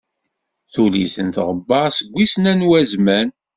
Tuli-ten tɣebbart seg wissen anwa zzman.